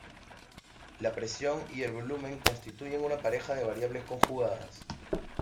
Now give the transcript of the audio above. La presión y el volumen constituyen una pareja de variables conjugadas.